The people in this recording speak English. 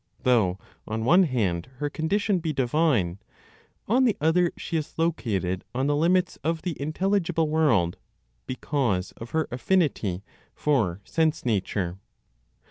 Though on one hand her condition be divine, on the other she is located on the limits of the intelligible world, because of her affinity for sense nature.